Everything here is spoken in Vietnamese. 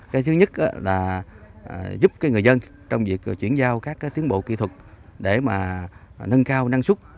cái thứ nhất là giúp cái người dân trong việc chuyển giao các tiến bộ kỹ thuật để mà nâng cao năng suất